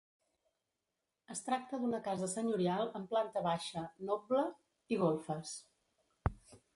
Es tracta d'una casa senyorial amb planta baixa, noble i golfes.